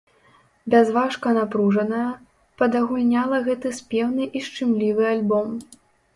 Бязважка-напружаная, падагульняла гэты спеўны і шчымлівы альбом.